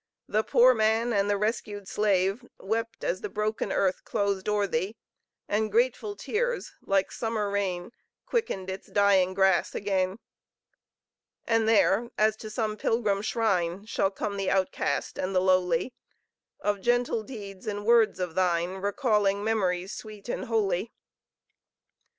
The poor man and the rescued slave Wept as the broken earth closed o'er thee And grateful tears, like summer rain, Quickened its dying grass again! And there, as to some pilgrim shrine, Shall come the outcast and the lowly, Of gentle deeds and words of thine Recalling memories sweet and holy!